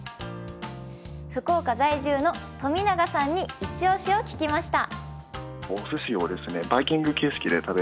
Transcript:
福岡在住の冨永さんにイチ押しを聞きました。